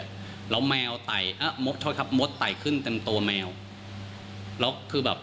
แล้วแมวไต่อมดโทษครับมดไต่ขึ้นเต็มตัวแมวแล้วคือแบบ